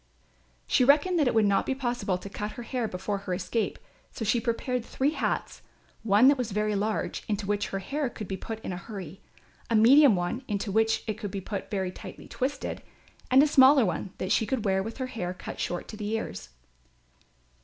She reckoned that it would not be possible to cut her hair before her escape; so she prepared three hats, one that was very large into which her hair could be put in a hurry, a medium one into which it could be put if very tightly twisted, and a smaller one, that she could wear with her hair cut short to the ears.